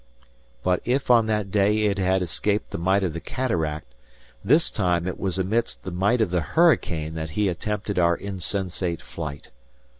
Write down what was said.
But if on that day it had escaped the might of the cataract, this time it was amidst the might of the hurricane that we attempted our insensate flight.